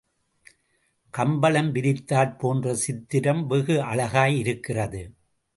கம்பளம் விரித்தாற் போன்ற சித்திரம் வெகு அழகாய் இருக்கிறது.